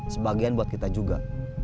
sebagian buat kita juga